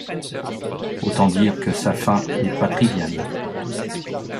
Autant dire que sa faim n'est pas triviale.